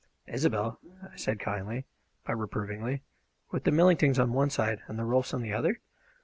"Isobel!" I said kindly but reprovingly. "With the Millingtons on one side and the Rolfs on the other?"